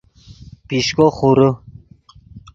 پیشکو خورے